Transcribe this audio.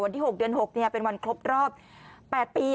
วันที่๖เดือน๖เป็นวันครบรอบ๘ปี